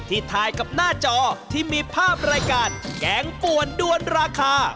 ถ่ายกับหน้าจอที่มีภาพรายการแกงป่วนด้วนราคา